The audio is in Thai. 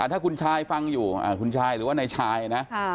ถ้าคุณชายฟังอยู่คุณชายหรือว่านายชายนะ